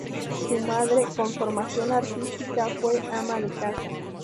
Su madre, con formación artística, fue ama de casa.